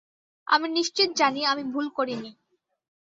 আমি নিশ্চিত জানি আমি ভুল করি নি।